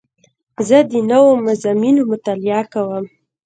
زه د نوو مضامینو مطالعه کوم.